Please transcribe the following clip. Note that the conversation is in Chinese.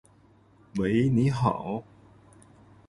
投资银行，简称投行，是种以经营证券业务为主的金融机构